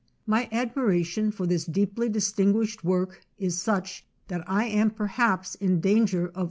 My admira tion for this deeply distinguished work is such that I am perhaps in danger of over JOHN S.